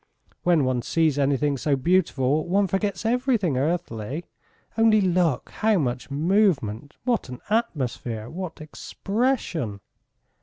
When one sees anything so beautiful one forgets everything earthly. ... Only look, how much movement, what an atmosphere, what expression!"